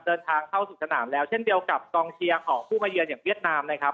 เดินทางเข้าสู่สนามแล้วเช่นเดียวกับกองเชียร์ของผู้มาเยือนอย่างเวียดนามนะครับ